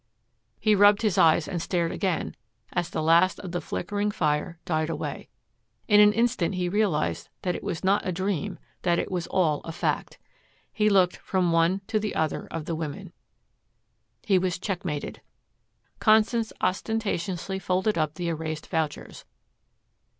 He rubbed his eyes and stared again as the last of the flickering fire died away. In an instant he realized that it was not a dream, that it was all a fact. He looked from one to the other of the women. He was checkmated. Constance ostentatiously folded up the erased vouchers.